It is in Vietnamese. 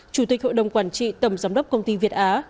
chủ tịch hội đồng quản trị tầm giám đốc công ty việt á